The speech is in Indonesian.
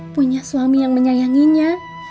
punya suami yang menyayanginya